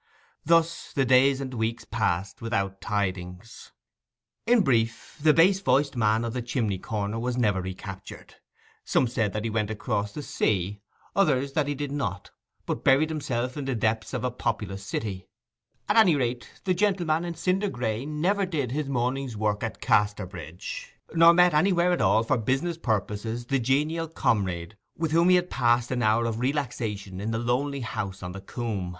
Thus the days and weeks passed without tidings. In brief; the bass voiced man of the chimney corner was never recaptured. Some said that he went across the sea, others that he did not, but buried himself in the depths of a populous city. At any rate, the gentleman in cinder gray never did his morning's work at Casterbridge, nor met anywhere at all, for business purposes, the genial comrade with whom he had passed an hour of relaxation in the lonely house on the coomb.